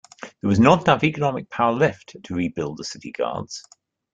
There was not enough economic power left to rebuild the city guards.